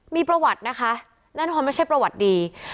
มีประวัตินะคะแน่นอนไม่ใช่ประวัติดี